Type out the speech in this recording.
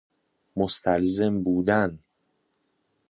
مستلزم بودن